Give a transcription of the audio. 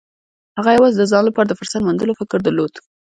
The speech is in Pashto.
هغه يوازې د ځان لپاره د فرصت موندلو فکر درلود.